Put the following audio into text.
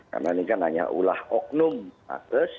karena ini kan hanya ulah oknum nakas